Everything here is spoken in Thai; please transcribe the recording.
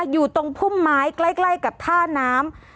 อยู่ตรงพุ่มไม้ใกล้กับท่าน้ำ